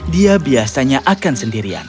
dia biasanya akan sendirian